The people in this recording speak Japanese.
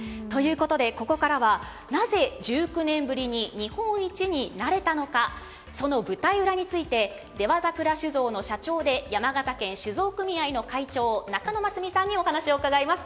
ここからはなぜ１９年ぶりに日本一になれたのかその舞台裏について出羽桜酒造の社長で山形県酒造組合の会長仲野益美さんにお話を伺います。